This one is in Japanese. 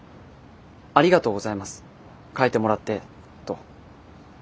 ありがとうございます変えてもらってと。